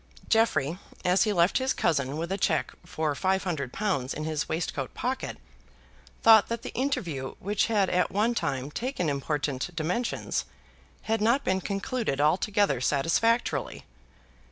Jeffrey, as he left his cousin with a cheque for £500 in his waist coat pocket, thought that the interview which had at one time taken important dimensions, had not been concluded altogether satisfactorily.